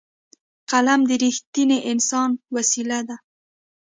قلم د رښتیني انسان وسېله ده